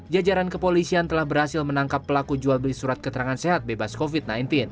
jajaran kepolisian telah berhasil menangkap pelaku jual beli surat keterangan sehat bebas covid sembilan belas